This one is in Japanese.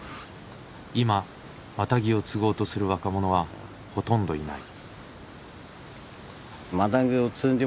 今マタギを継ごうとする若者はほとんどいない。